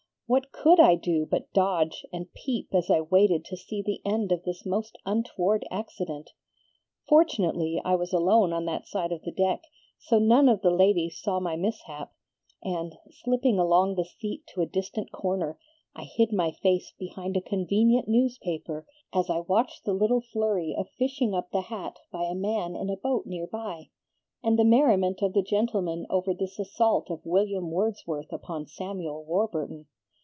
What COULD I do but dodge and peep as I waited to see the end of this most untoward accident? Fortunately I was alone on that side of the deck, so none of the ladies saw my mishap and, slipping along the seat to a distant corner, I hid my face behind a convenient newspaper, as I watched the little flurry of fishing up the hat by a man in a boat near by, and the merriment of the gentlemen over this assault of William Wordsworth upon Samuel Warburton.